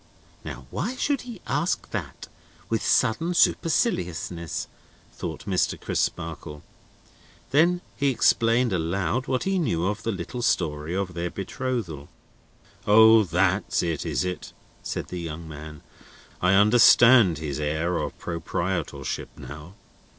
("Now, why should he ask that, with sudden superciliousness?" thought Mr. Crisparkle.) Then he explained, aloud, what he knew of the little story of their betrothal. "O! that's it, is it?" said the young man. "I understand his air of proprietorship now!"